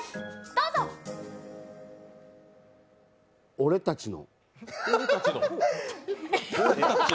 俺たちの？